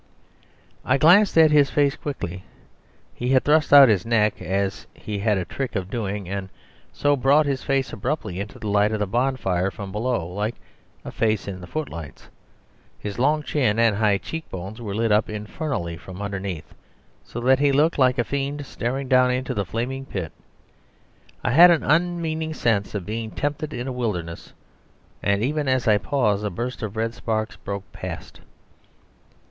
I glanced at his face quickly. He had thrust out his neck as he had a trick of doing; and so brought his face abruptly into the light of the bonfire from below, like a face in the footlights. His long chin and high cheek bones were lit up infernally from underneath; so that he looked like a fiend staring down into the flaming pit. I had an unmeaning sense of being tempted in a wilderness; and even as I paused a burst of red sparks broke past.